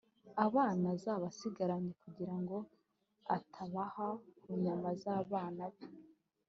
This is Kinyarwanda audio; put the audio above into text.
’abana azaba asigaranye, kugira ngo atabaha ku nyama z’abana be